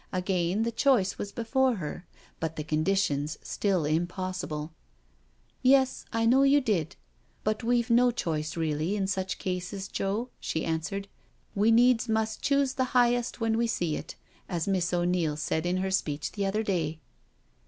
Again the choice was before her, but the conditions still impossible. " Yes, I know you did, but we've no choice really in such cases, Joe," she answered. "' We needs must choose the highest when we see it,' as Miss O'Neil said in her speech the other day."